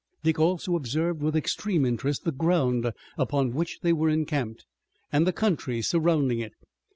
Dick also observed with extreme interest the ground upon which they were encamped and the country surrounding it.